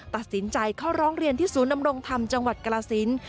ตัดสินใจเข้าร้องเรียนที่ศูนย์นำรงธรรมจังหวัดกรสิน